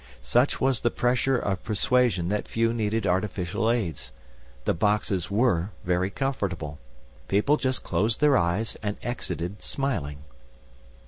Such was the pressure of persuasion that few needed artificial aids. The boxes were very comfortable. People just closed their eyes and exited smiling.